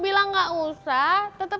pula dia bareng ya